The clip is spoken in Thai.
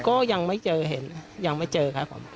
ก็ยังไม่เจอเห็นยังไม่เจอค่ะความคิด